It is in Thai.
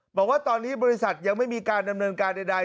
บอกว่าตอนนี้บริษัทยังไม่มีการดำเนินการใด